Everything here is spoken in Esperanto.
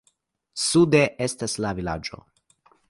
Sude estas la vilaĝo.